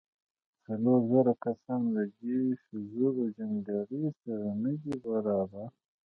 څلور زره کسان له دېرشو زرو جنګياليو سره نه دې برابر.